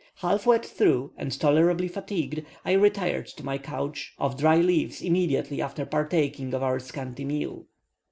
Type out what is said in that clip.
Half wet through, and tolerably fatigued, I retired to my couch of dry leaves immediately after partaking of our scanty meal.